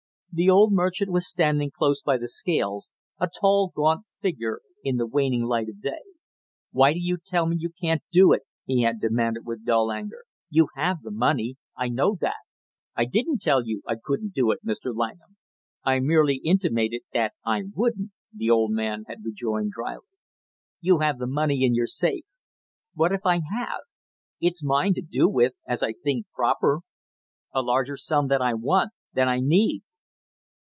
The old merchant was standing close by the scales, a tall gaunt figure in the waning light of day. "Why do you tell me you can't do it?" he had demanded with dull anger. "You have the money, I know that!" "I didn't tell you I couldn't do it, Mr. Langham, I merely intimated that I wouldn't," the old man had rejoined dryly. "You have the money in your safe!" "What if I have? It's mine to do with as I think proper." "A larger sum than I want than I need!"